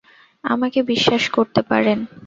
আমাকে বিশ্বাস করতে পারেন।